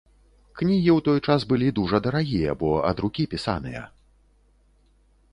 Кнігі ў той час былі дужа дарагія, бо ад рукі пісаныя.